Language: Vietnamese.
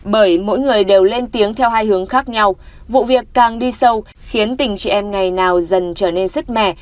bởi mỗi người đều lên tiếng theo hai hướng khác nhau vụ việc càng đi sâu khiến tình chị em ngày nào dần trở nên sức mẻ